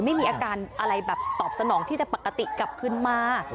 ไม่มีอาการอะไรแบบตอบสนองที่จะปกติกลับขึ้นมา